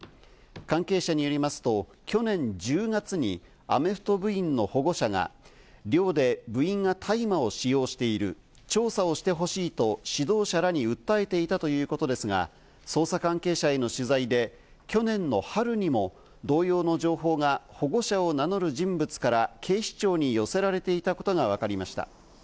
関係者によりますと、去年１０月にアメフト部員の保護者が、寮で部員が大麻を使用している、調査をしてほしいと指導者らに訴えていたということですが、捜査関係者への取材で去年の春にも同様の情報が保護者を名乗る人物から警視庁に寄せられていたことがわかりました。